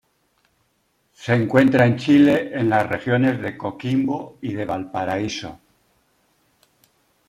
Se encuentra en Chile en las regiones de Coquimbo y de Valparaíso.